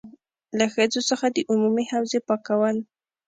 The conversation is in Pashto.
له ښځو څخه د عمومي حوزې پاکول.